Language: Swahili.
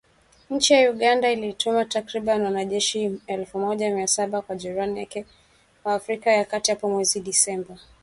Nchi ya Uganda ilituma takribani wanajeshi elfu moja mia saba kwa jirani yake wa Afrika ya Kati, hapo mwezi Disemba